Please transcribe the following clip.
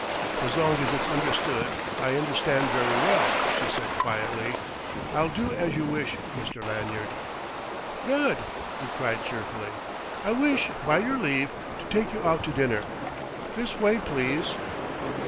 "As long as it's understood I understand very well," she said quietly; "I'll do as you wish, Mr. Lanyard." "Good!" he cried cheerfully. "I wish, by your leave, to take you out to dinner.... This way, please!"